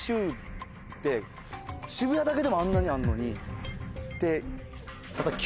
渋谷だけでもあんなにあんのにって。